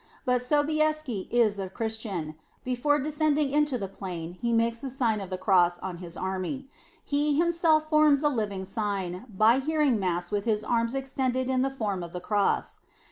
But Sobieski is a Christian. Before descending into the o plain, he makes the Sign of the Cross on his^ army; he himself forms a living sign, by hearing Mass with his arms extended in the form of the Cross.